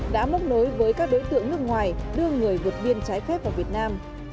đã móc nối với các đối tượng nước ngoài đưa người vượt biên trái phép vào việt nam